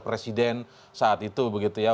presiden saat itu begitu ya